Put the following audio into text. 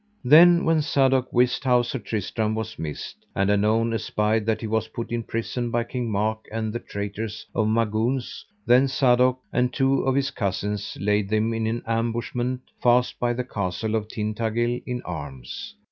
Then when Sadok wist how Sir Tristram was missed, and anon espied that he was put in prison by King Mark and the traitors of Magouns, then Sadok and two of his cousins laid them in an ambushment, fast by the Castle of Tintagil, in arms.